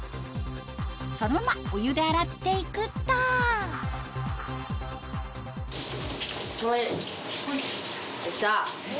そのままお湯で洗っていくとできた！